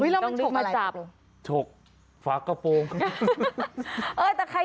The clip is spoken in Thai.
น้๋อต้องลึกมาจับเหรอโอ้นี่แล้วมันฉกอะไร